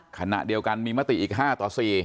ขณะเดียวกันมีมติอีก๕ต่อ๔